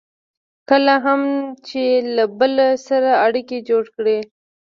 کله هم چې له بل سره اړیکې جوړې کړئ.